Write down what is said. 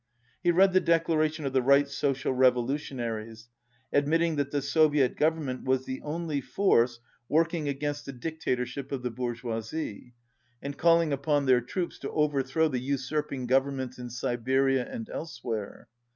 He read the declaration of the Right Social Revolutionaries, admitting that the Soviet Gov ernment was the only force working against a X65 dictatorship of the bourgeoisie, and calling upon their troops to overthrow the usurping govern ments in Siberia, and elsewhere.